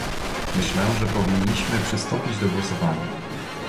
Myślę, że powinniśmy przystąpić do głosowania